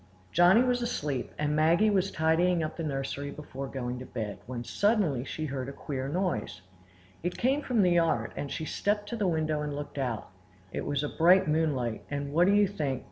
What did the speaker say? Johnny was asleep, and Maggie was tidying up the nursery before going to bed, when suddenly she heard a queer noise. It came from the yard, and she stepped to the window and looked out. It was bright moonlight; and what do you think?